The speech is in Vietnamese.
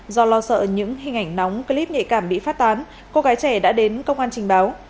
do lo sợ những hình ảnh nóng clip nhạy cảm bị phát tán cô gái trẻ đã đến công an trình báo